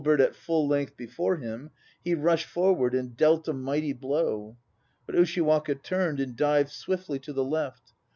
And holding out his halberd at full length before him He rushed forward and dealt a mighty blow. But Ushiwaka turned and dived swiftly to the left.